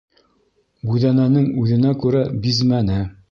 Бүҙәнәнең үҙенә күрә бизмәне.